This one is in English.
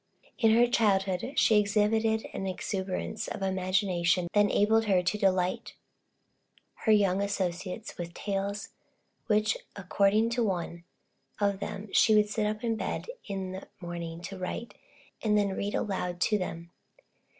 In her childhood, she exhibited an exuberance of imagination that enabled her to delight her young associates with tales, which, according to one of them, she would sit up in bed in the morning to write, and then read aloud to them.